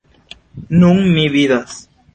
Nun mi vidas.